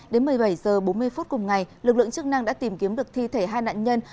đến một mươi bảy h bốn mươi phút cùng ngày lực lượng chức năng đã tìm kiếm được thi thể hai nạn nhân